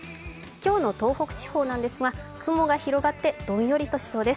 今日の東北地方なんですが雲が広がってどんよりしそうです。